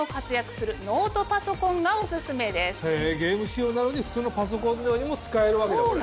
へぇゲーム仕様なのに普通のパソコンのようにも使えるわけだこれ。